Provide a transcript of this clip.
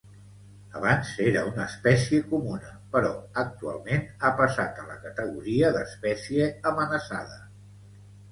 Abans era una espècie comuna però actualment ha passat a la categoria d'espècie amenaçada.